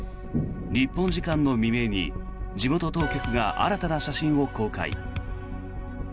日本時間の未明に地元当局が新たな写真を公開。